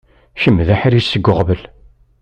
Kemm d aḥric seg uɣbel.